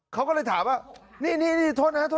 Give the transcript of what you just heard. เขาก็เลยถามว่านี่โทษนะโทษนะมาทำอะไรอ่ะ